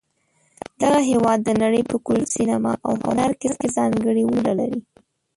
دغه هېواد د نړۍ په کلتور، سینما، او هنر کې ځانګړې ونډه لري.